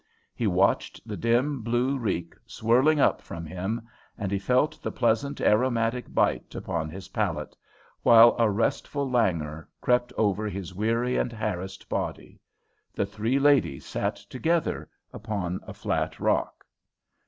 He watched the dim, blue reek swirling up from him, and he felt the pleasant, aromatic bite upon his palate, while a restful languor crept over his weary and harassed body. The three ladies sat together upon a flat rock.